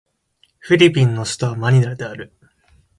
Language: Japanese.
フィリピンの首都はマニラである